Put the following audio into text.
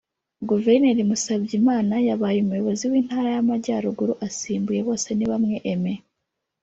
Guverineri Musabyimana yabaye umuyobozi w’Intara y’Amajyaruguru asimbuye Bosenibamwe Aimé